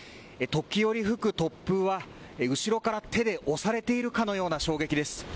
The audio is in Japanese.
時折吹く突風は後ろから手で押されているかのような衝撃です。